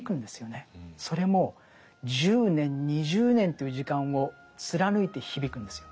それも１０年２０年という時間を貫いて響くんですよ。